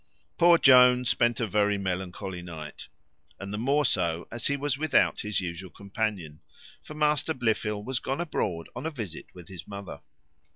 Poor Jones spent a very melancholy night; and the more so, as he was without his usual companion; for Master Blifil was gone abroad on a visit with his mother.